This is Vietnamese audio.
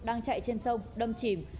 đang chạy trên sông đâm chìm